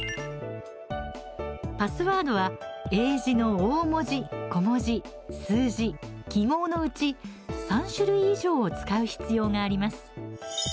パスワードは英字の大文字、小文字、数字記号のうち３種類以上を使う必要があります。